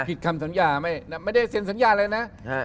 ผิดคำสัญญาไม่ได้เซ็นสัญญาอะไรนะ